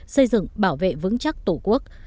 xây dựng bảo vệ vững chắc tổ quốc